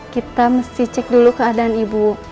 kita mesti cek dulu keadaan ibu